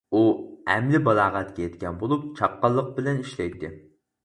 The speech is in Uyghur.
ئۇ ئەمدى بالاغەتكە يەتكەن بولۇپ، چاققانلىق بىلەن ئىشلەيتتى.